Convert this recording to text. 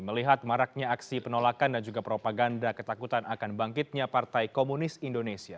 melihat maraknya aksi penolakan dan juga propaganda ketakutan akan bangkitnya partai komunis indonesia